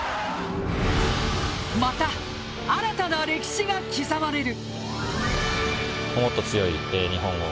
また、新たな歴史が刻まれる！